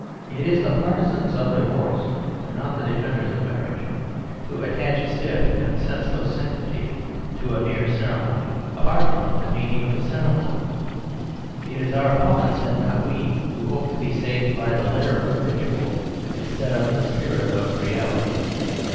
It is the partisans of divorce, not the defenders of marriage, who attach a stiff and senseless sanctity to a mere ceremony, apart from the meaning of the cere mony. It is our opponents, and not we, who hope to be saved by the letter of ritual, instead of the spirit of reality.